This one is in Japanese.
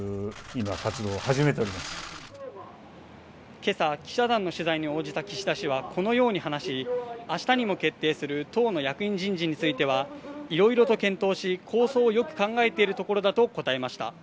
今朝記者団の取材に応じた岸田氏はこのように話し明日にも決定する党の役員人事についてはいろいろと検討し構想をよく考えているところだと答えました